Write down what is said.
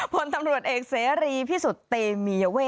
ผลตำรวจเอกเสรีพิสุทธิ์เตมียเวท